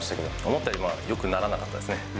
思ったよりはよくならなかったですね。